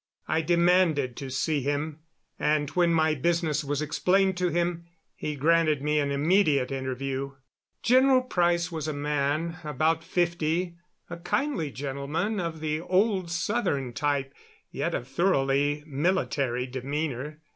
I demanded to see him, and when my business was explained to him he granted me an immediate interview. General Price was a man about fifty, a kindly gentleman of the old Southern type, yet of thoroughly military demeanor.